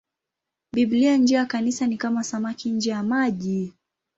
Biblia nje ya Kanisa ni kama samaki nje ya maji.